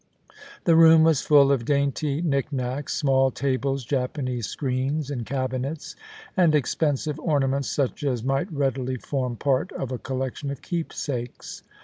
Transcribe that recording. The room was full of dainty knickknacks — small tables, Japanese screens, and cabinets, and expensive ornaments such as might readily form part of a collection of keepsakes.